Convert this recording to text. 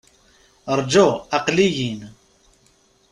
Rǧu! Aql-i-in!